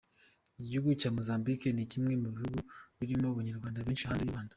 Igihugu cya Mozambique ni kimwe mu bihugu birimo abanyarwanda benshi hanze y’u Rwanda.